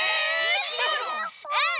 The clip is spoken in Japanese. うん。